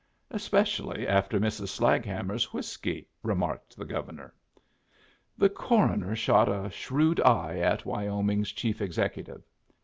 "Especially after Mrs. Slaghammer's whiskey," remarked the Governor. The coroner shot a shrewd eye at Wyoming's chief executive.